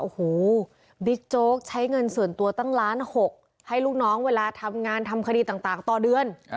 โอ้โหบิ๊กโจ๊กใช้เงินส่วนตัวตั้งล้านหกให้ลูกน้องเวลาทำงานทำคดีต่างต่อเดือน